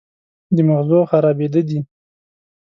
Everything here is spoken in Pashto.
د مغزو خرابېده دي